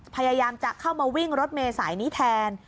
พยายามจะเข้ามาวิ่งรถเมษายนี้แทน